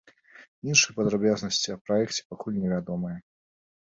Іншыя падрабязнасці аб праекце пакуль невядомыя.